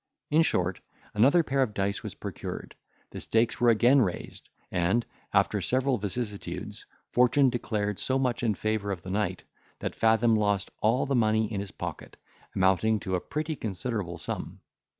In short, another pair of dice was procured, the stakes were again raised, and, after several vicissitudes, fortune declared so much in favour of the knight, that Fathom lost all the money in his pocket, amounting to a pretty considerable sum.